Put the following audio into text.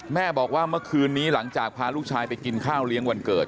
แม่บอกว่าเมื่อคืนนี้หลังจากพาลูกชายไปกินข้าวเลี้ยงวันเกิด